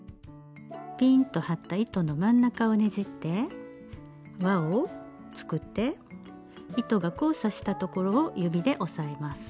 ピーンと張った糸の真ん中をねじって輪を作って糸が交差したところを指で押さえます。